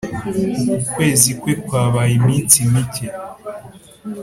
uku kwezi kwe kwabaye iminsi mike